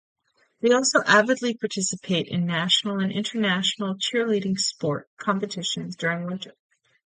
They also avidly participate in national and international cheerleading sport competitions during winter.